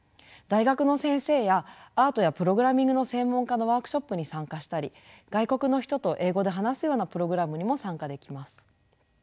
大学の先生やアートやプログラミングの専門家のワークショップに参加したり外国の人と英語で話すようなプログラムにも参加できます。